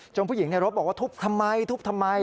จนผู้หญิงในรถบอกว่าทุบทำไม